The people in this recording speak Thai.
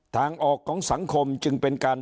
ทางออกของสังคมจึงเป็นการ